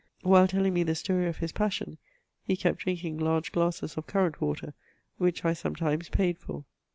While telling me the story of his passion, he kept drinking large glasses of currant water, which I sometimes paid for.